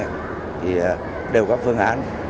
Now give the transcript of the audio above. thì đều có phương án